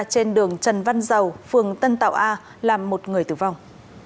trên đường trần văn dầu phường tân tạo a làm một người tử vong